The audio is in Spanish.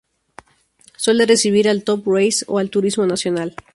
Suele recibir al Top Race o al Turismo Nacional.